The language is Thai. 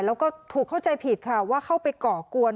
แล้วก็ถูกเข้าใจผิดค่ะว่าเข้าไปก่อกวน